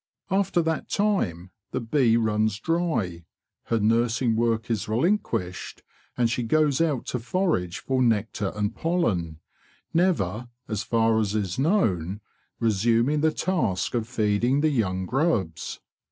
After that time the bee runs dry, her nursing work is relinquished, and she goes out to forage for nectar and pollen, never, as far as is known, resuming the task of feeding the young grubs.